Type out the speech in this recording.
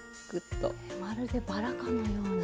まるでバラかのように。